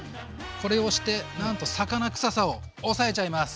これをしてなんと魚くささを抑えちゃいます！